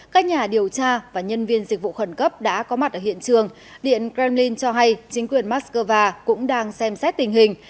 các nhà điều tra và nhân viên dịch vụ khẩn cấp đã có mặt ở hiện trường điện kremlin cho hay chính quyền moscow cũng đang xem xét tình hình